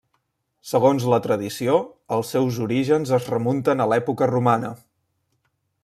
Segons la tradició, els seus orígens es remunten a l'època romana.